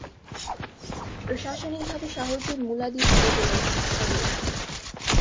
প্রশাসনিকভাবে শহরটি মুলাদী উপজেলার সদর।